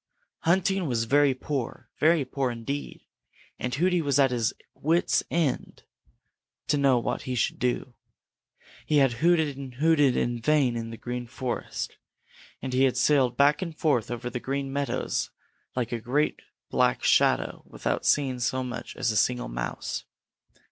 Hunting was very poor, very poor indeed, and Hooty was at his wits' end to know what he should do. He had hooted and hooted in vain in the Green Forest, and he had sailed back and forth over the Green Meadows like a great black shadow without seeing so much as a single Mouse.